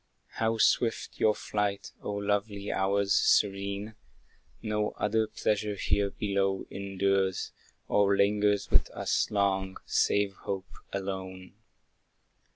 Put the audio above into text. How swift your flight, O lovely hours serene! No other pleasure here below endures, Or lingers with us long, save hope alone.